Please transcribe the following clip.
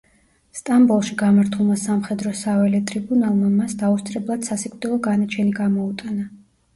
სტამბოლში გამართულმა სამხედრო საველე ტრიბუნალმა მას დაუსწრებლად სასიკვდილო განაჩენი გამოუტანა.